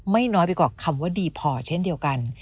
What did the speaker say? น้อยไปกว่าคำว่าดีพอเช่นเดียวกัน